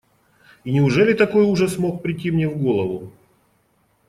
И неужели такой ужас мог прийти мне в голову?